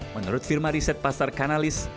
menurut firma riset pasar kanalis